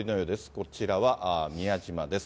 こちらは宮島です。